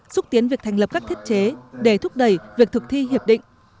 xúc tiến việc thành lập các thiết chế để thúc đẩy việc thực thi hiệp định